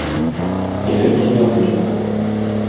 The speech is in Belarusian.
І гэта не выдумка.